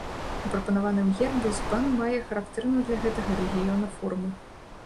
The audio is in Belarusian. У прапанаваным гербе збан мае характэрную для гэтага рэгіёна форму.